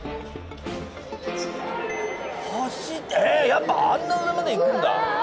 やっぱあんな上まで行くんだ。